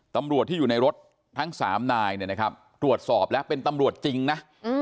ตำรวจที่อยู่ในรถทั้ง๓นายเนี่ยนะครับตรวจสอบแล้วเป็นตำรวจจริงนะ